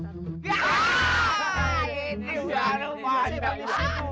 loh kenapa lu rencang sih